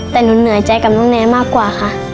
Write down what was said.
แต่หนูเหนื่อยใจกับน้องแนมากกว่าค่ะ